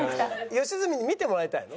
吉住に見てもらいたいの？